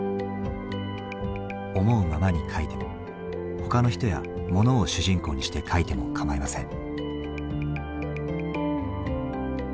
思うままに書いても他の人やものを主人公にして書いてもかまいません。